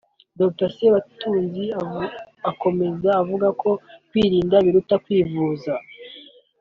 Dr Sebatunzi akomeza avuga ko kwirinda biruta kwivuza